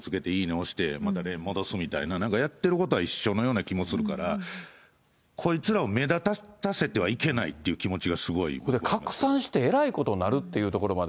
押して、またレーン戻すみたいな、やってることは一緒のような気もするから、こいつらを目立たせてはいけないっていう気持ちがすごいありこれ、拡散してえらいことなるってところまで